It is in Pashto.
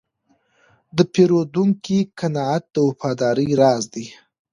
د پیرودونکي قناعت د وفادارۍ راز دی.